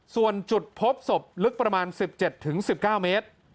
ส่วนจุดพบศพลึกประมาณ๑๗๑๙เมตร